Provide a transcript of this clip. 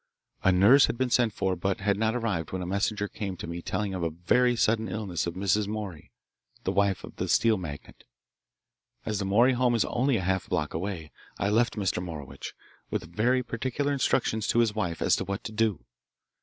A nurse had been sent for, but had not arrived when a messenger came to me telling of a very sudden illness of Mrs. Morey, the wife of the steel magnate. As the Morey home is only a half block away, I left Mr. Morowitch, with very particular instructions to his wife as to what to do.